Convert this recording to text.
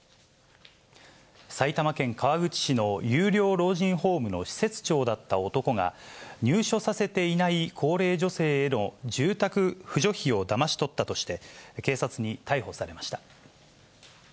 埼玉県川口市の有料老人ホームの施設長だった男が、入所させていない高齢女性への住宅扶助費をだまし取ったとして、警察に逮捕されました。